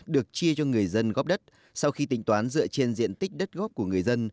được chia cho người dân góp đất sau khi tính toán dựa trên diện tích đất góp của người dân